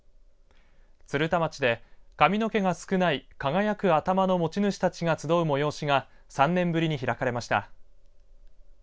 鶴田町で髪の毛が少ない輝く頭の持ち主たちが集う催しが３年ぶりに開かれました。